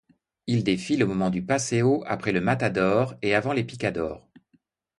Ils défilent au moment du paseo après le matador et avant les picadors.